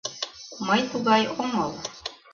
Мый тугай омыл...